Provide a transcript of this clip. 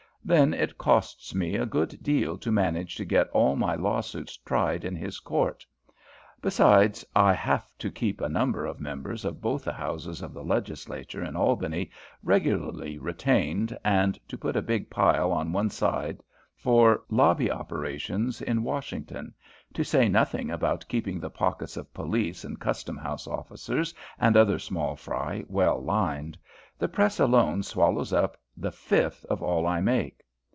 Then it costs me a good deal to manage to get all my lawsuits tried in his court. Besides, I have to keep a number of members of both the Houses of the Legislature at Albany regularly retained, and to put a big pile on one side for lobby operations at Washington, to say nothing about keeping the pockets of police and custom house officers and other small fry well lined. The press alone swallows up the fifth of all I make.